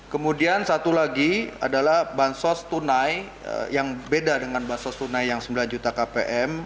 kemudian satu lagi adalah bansos tunai yang beda dengan bansos tunai yang sembilan juta kpm